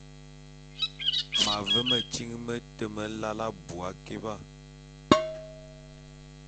M’ave metyiŋ mete meláe abui akiba.